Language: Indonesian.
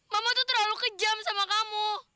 mama tuh terlalu kejam sama kamu